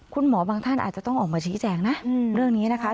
บางท่านอาจจะต้องออกมาชี้แจงนะเรื่องนี้นะคะ